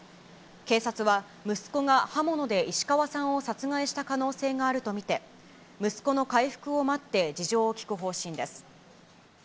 警察は息子が刃物で石川さんを殺害した可能性があると見て、息子の回復を待って事情を聴く方針です。